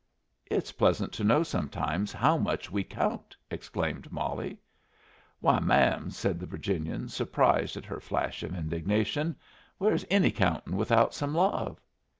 "It's pleasant to know sometimes how much we count!" exclaimed Molly. "Why, ma'am," said the Virginian, surprised at her flash of indignation, "where is any countin' without some love?"